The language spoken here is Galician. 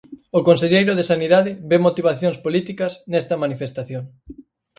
O conselleiro de Sanidade ve "motivacións políticas" nesta manifestación.